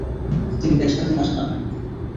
তিনি ব্যাট হাতে মাঠে নামেন।